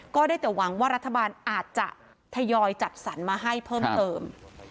ก็ได้แต่หวังว่ารัฐบาลอาจจะทยอยจัดสรรมาให้เพิ่มเติม